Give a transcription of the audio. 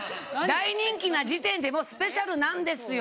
大人気な時点でもうスペシャルなんですよ！